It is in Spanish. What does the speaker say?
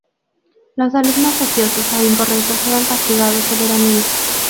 Los alumnos ociosos o incorrectos eran castigados severamente.